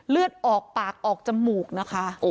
เลือดออกปากออกจมูกนะคะ